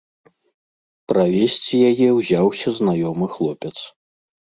Правесці яе ўзяўся знаёмы хлопец.